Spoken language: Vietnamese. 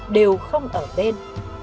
đều không ở bên